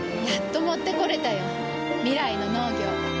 やっと持ってこれたよ。未来の農業。